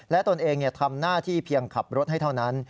ตนเองทำหน้าที่เพียงขับรถให้เท่านั้น